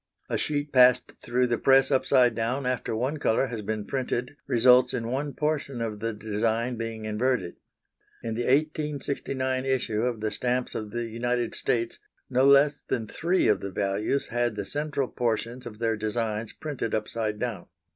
A sheet passed through the press upside down after one colour has been printed results in one portion of the design being inverted. In the 1869 issue of the stamps of the United States no less than three of the values had the central portions of their designs printed upside down.